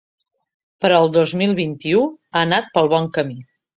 Però el dos mil vint-i-u ha anat pel bon camí.